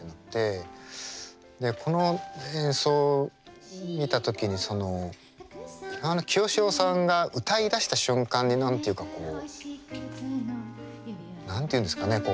でこの演奏を見た時にその忌野清志郎さんが歌いだした瞬間に何て言うかこう何ていうんですかね？